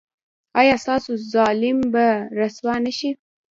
ایا ستاسو ظالم به رسوا نه شي؟